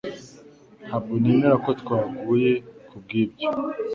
Ntabwo nemera ko twaguye kubwibyo